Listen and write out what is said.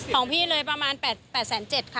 ของพี่เลยประมาณ๘๗๐๐บาทค่ะ